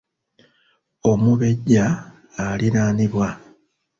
Omubejja aliraanibwa.